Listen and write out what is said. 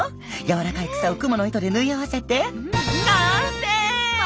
やわらかい草をクモの糸で縫い合わせて完成！